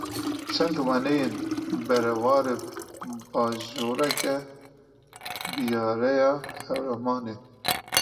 Çend wêneyên berêvara bajarokê Biyareya Hewramanê.